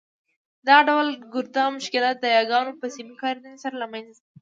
دغه ډول ګرده مشکلات د یاګانو په سمي کارېدني سره له مینځه ځي.